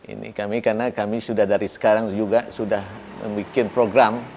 ini kami karena kami sudah dari sekarang juga sudah membuat program